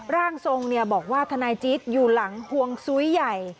ร่างทรงเนี่ยบอกว่าทนายจิตอยู่หลังฮวงสุยใหญ่